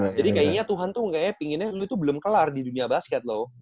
nah jadi kayaknya tuhan tuh kayaknya pinginnya lu itu belum kelar di dunia basket loh